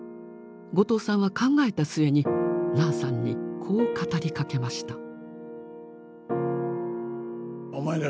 後藤さんは考えた末にラーさんにこう語りかけました。